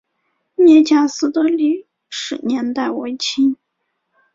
聂家寺的历史年代为清。